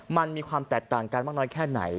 มันมีความแตกต่างกันมากน้อยแค่ไหน